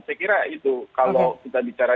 saya kira itu kalau kita bicara